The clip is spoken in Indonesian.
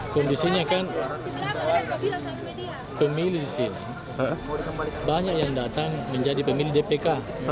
kondisinya kan pemilih di sini banyak yang datang menjadi pemilih dpk